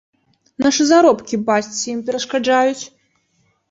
Нашы заробкі, бачце, ім перашкаджаюць!